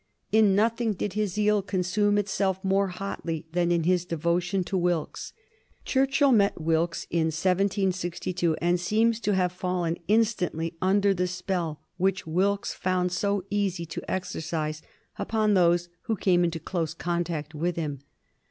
In nothing did his zeal consume itself more hotly than in his devotion to Wilkes. Churchill met Wilkes in 1762, and seems to have fallen instantly under the spell which Wilkes found it so easy to exercise upon all who came into close contact with him.